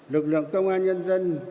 lực lượng công an nhân dân